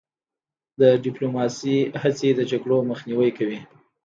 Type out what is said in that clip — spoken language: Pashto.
د ډیپلوماسی هڅې د جګړو مخنیوی کوي.